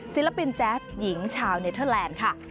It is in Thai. ศิลปินแจ๊สหญิงชาวเนเทอร์แลนด์ค่ะ